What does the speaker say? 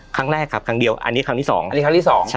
ครั้งแรกครับครั้งเดียวอันนี้ครั้งที่สอง